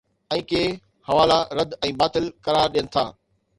۽ ڪي حوالا رد ۽ باطل قرار ڏين ٿا